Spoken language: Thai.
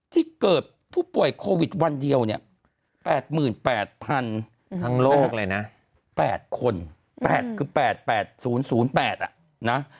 ที่เกิดผู้ป่วยโควิดวันเดียวเนี่ย๘๘๐๐๐ทั้งโลกเลยนะ๘คน๘คือ๘๘๐๐๘นะ